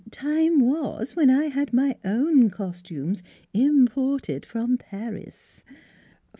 Time was when I had my own m m m cos tumes im ported from Paris."